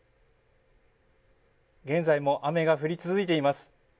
現在も雨が降り続いています。